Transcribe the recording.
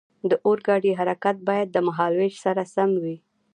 د اورګاډي حرکت باید د مهال ویش سره سم وي.